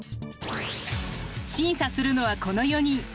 審査するのはこの４人。